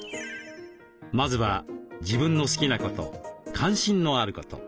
まずは自分の好きなこと関心のあること。